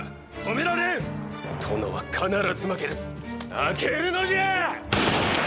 負けるのじゃ！